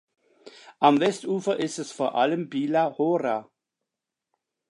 Am Westufer ist es vor allem Biela hora.